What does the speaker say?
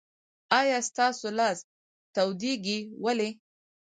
آیا ستاسو لاس تودیږي؟ ولې؟